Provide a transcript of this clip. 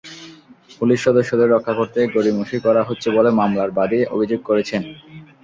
Police সদস্যদের রক্ষা করতে গড়িমসি করা হচ্ছে বলে মামলার বাদী অভিযোগ করেছেন।